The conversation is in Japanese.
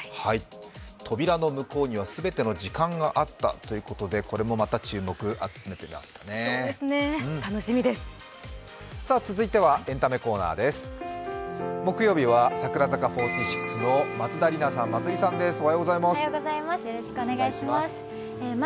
扉の向こうには全ての時間があったということでこれもまた注目を集めてますね。